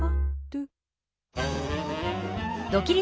ドキリ★